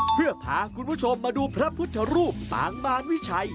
เพื่อพาคุณผู้ชมมาดูพระพุทธรูปปางมารวิชัย